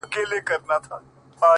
o ها د ښكلا شاپېرۍ هغه د سكون سهزادگۍ؛